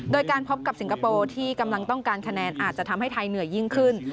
โดยการพบกับสิงคโปร์ที่กำลังต้องการคะแนนอาจจะทำให้ไทยเหนื่อยยิ่งขึ้น